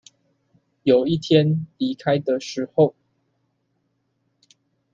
有一天離開的時候